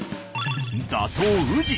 打倒宇治！